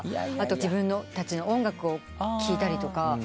あと自分たちの音楽を聴いたりとか。